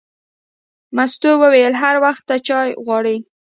مستو وویل: هر وخت ته چای غواړې.